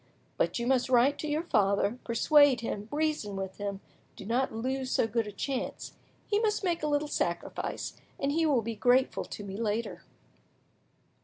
But you must write to your father, persuade him, reason with him; do not lose so good a chance. He must make a little sacrifice, and he will be grateful to me later."